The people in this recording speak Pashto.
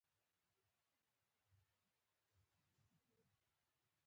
بل لیک ورته ورسېد.